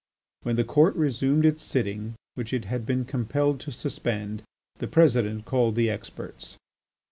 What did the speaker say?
When the court resumed its sitting, which it had been compelled to suspend, the President called the experts.